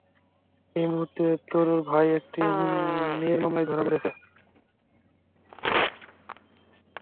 এই মুহুর্তে, তোরর ভাই একটি মেয়ের মামলায় ধরা পড়েছে।